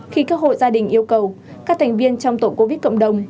khi các hộ gia đình yêu cầu các thành viên trong tổ covid cộng đồng